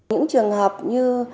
những trường hợp như